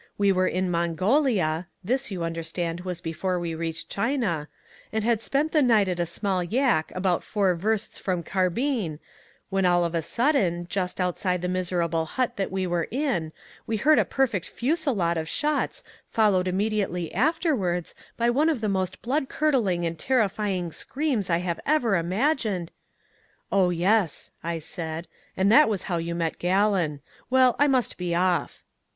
We were in Mongolia (this, you understand, was before we reached China), and had spent the night at a small Yak about four versts from Kharbin, when all of a sudden, just outside the miserable hut that we were in, we heard a perfect fusillade of shots followed immediately afterwards by one of the most blood curdling and terrifying screams I have ever imagined " "Oh, yes," I said, "and that was how you met Gallon. Well, I must be off."